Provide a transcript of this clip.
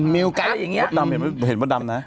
มิวกั๊บมดดำเห็นมดดำนะ